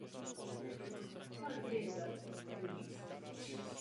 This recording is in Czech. Stále je zde několik věcí, které je zapotřebí vylepšit.